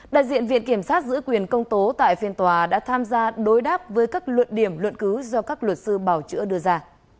đại diện viện kiểm sát giữ quyền công tố tại phiên tòa đã tham gia đối đáp với các luận điểm luận cứ do các luật sư bảo chữa đưa ra